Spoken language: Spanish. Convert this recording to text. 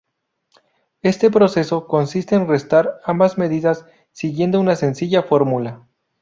Este proceso, consiste en restar ambas medidas siguiendo una sencilla fórmula.